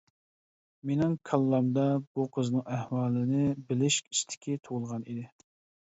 مېنىڭ كاللامدا بۇ قىزنىڭ ئەھۋالىنى بىلىش ئىستىكى تۇغۇلغان ئىدى.